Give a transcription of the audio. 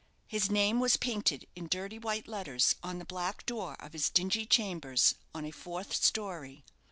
His name was painted in dirty white letters on the black door of his dingy chambers on a fourth story.